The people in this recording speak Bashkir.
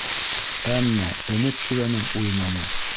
Әммә өмөт тигәнең үлмәне.